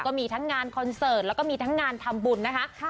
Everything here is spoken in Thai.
ก็มีทั้งงานคอนเสิร์ตแล้วก็มีทั้งงานทำบุญนะคะ